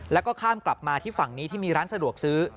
แล้วก็ข้ามกลับมาที่ฝั่งนี้ที่มีร้านสะดวกซื้อ